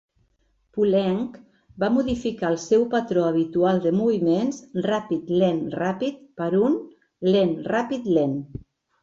Poulenc va modificar el seu patró habitual de moviments ràpid-lent-ràpid per un lent-ràpid-lent.